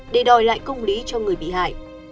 để đòi lại công lý cho người bị hại